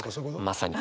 まさに。